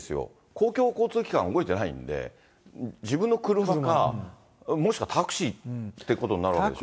公共交通機関、動いていないので、自分の車か、もしくはタクシーってことになるんですか。